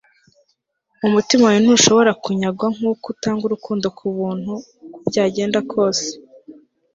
umutima wawe ntushobora kunyagwa nkuko utanga urukundo kubuntu uko byagenda kose